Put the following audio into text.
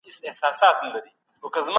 هڅه کول هیڅکله مه پرېږدئ.